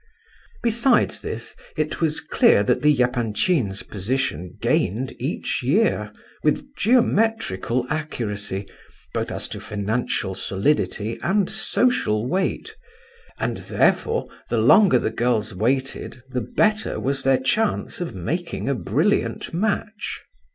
Besides this, it was clear that the Epanchins' position gained each year, with geometrical accuracy, both as to financial solidity and social weight; and, therefore, the longer the girls waited, the better was their chance of making a brilliant match.